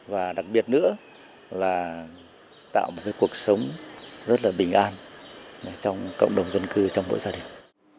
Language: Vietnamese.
và đặc biệt nữa là tạo một cuộc sống rất là bình an trong cộng đồng dân cư trong mỗi gia đình